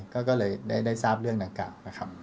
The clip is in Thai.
ก็เลยได้ทราบเรื่องดังกล่าวนะครับ